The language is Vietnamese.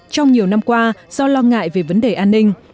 trong nhiều năm qua do lo ngại về vấn đề an ninh